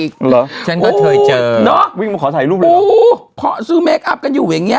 ก็เธอเจอน้องวิ่งมาขอถ่ายรูปเลยหรออู๋ขอซื้อเมคอัพกันอยู่อย่างเงี้ย